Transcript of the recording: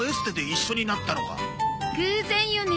偶然よね。